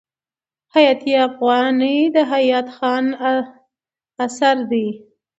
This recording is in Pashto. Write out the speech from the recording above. حیات افغاني د حیات خان اثر دﺉ.